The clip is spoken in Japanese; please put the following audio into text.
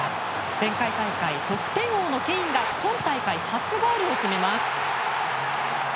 前回大会得点王のケインが今大会初ゴールを決めます。